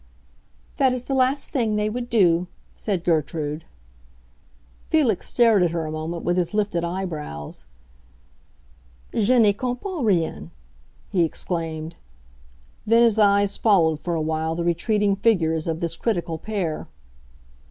"That is the last thing they would do," said Gertrude. Felix stared at her a moment, with his lifted eyebrows. "Je n'y comprends rien!" he exclaimed; then his eyes followed for a while the retreating figures of this critical pair.